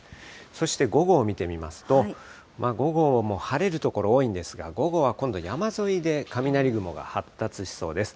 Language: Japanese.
そして午後を見てみますと、午後も晴れる所多いんですが、午後は今度山沿いで雷雲が発達しそうです。